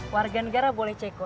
warga negara boleh ceko